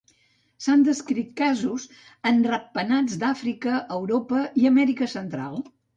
S'han descrit casos en ratpenats d'Àfrica, Europa i Amèrica Central.